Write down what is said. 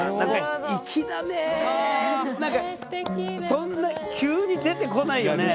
そんな急に出てこないよね？